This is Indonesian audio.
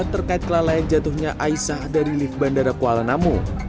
terkait kelolaian jatuhnya aisyah dari lift bandara kuala namu